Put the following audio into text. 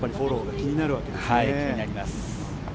気になります。